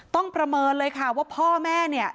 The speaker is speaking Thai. ประเมินเลยค่ะว่าพ่อแม่เนี่ย